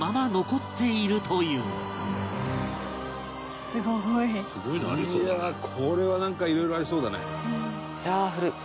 これはなんかいろいろありそうだね。